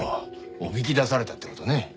おびき出されたって事ね。